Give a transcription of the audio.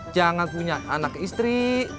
jangan punya anak istri